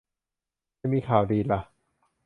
จะมีข่าวดีล่ะ